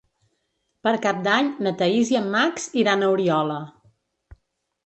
Per Cap d'Any na Thaís i en Max iran a Oriola.